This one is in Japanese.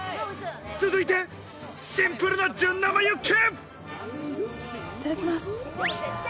続いてシンプルな純生ユッケ。